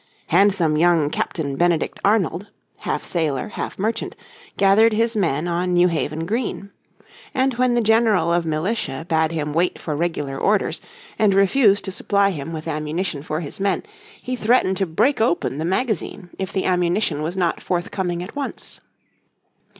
Handsome young Captain Benedict Arnold, half sailor, half merchant, gathered his men on New Haven green. And when the general of militia bade him wait for regular orders and refused to supply him with ammunition for his men, he threatened to break open the magazine if the ammunition was not forthcoming at once.